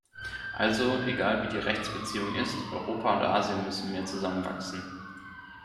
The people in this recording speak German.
Also, egal wie die Rechtsbeziehung ist, Europa und Asien müssen mehr zusammenwachsen.